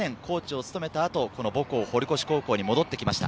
長野の松商学園で７年コーチを務めたあと、母校・堀越高校に戻ってきました。